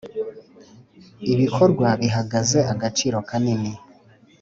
Ibikorwa bihagaze agaciro kanini.